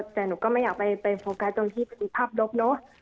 แต่หนูก็ไม่อยากไปโฟกัสตรงที่เป็นภาพลกเนอะ